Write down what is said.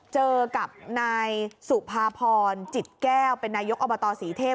เจอกับนายสุภาพรจิตแก้วเป็นนายกอบตศรีเทพ